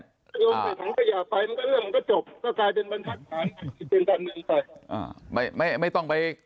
ก็อย่าไปเรื่องก็จบก็กลายเป็นบรรทักษณ์เป็นการเมืองไป